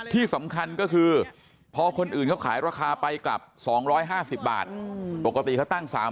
ที่สำคัญก็คือพอคนอื่นเขาขายราคาไปกลับ๒๕๐บาทปกติเขาตั้ง๓๐๐